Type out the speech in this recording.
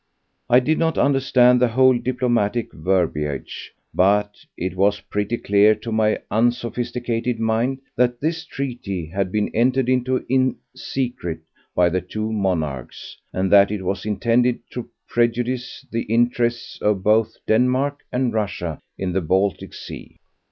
I did not understand the whole diplomatic verbiage, but it was pretty clear to my unsophisticated mind that this treaty had been entered into in secret by the two monarchs, and that it was intended to prejudice the interests both of Denmark and of Russia in the Baltic Sea.